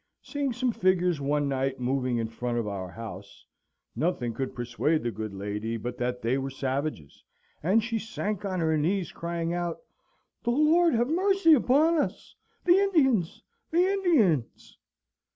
Seeing some figures one night moving in front of our house, nothing could persuade the good lady but that they were savages, and she sank on her knees crying out, "The Lord have mercy upon us! The Indians the Indians!"